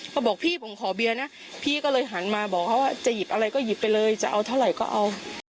บอกพี่ผมขอเบียร์นะพี่ก็เลยหันมาบอกเขาว่าจะหยิบอะไรก็หยิบไปเลยจะเอาเท่าไหร่ก็เอา